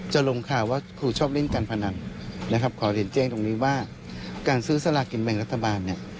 ลงข่าวว่าครูชอบเล่นการพนันนะครับขอเรียนแจ้งตรงนี้ว่าการซื้อสลากินแบ่งรัฐบาลเนี่ย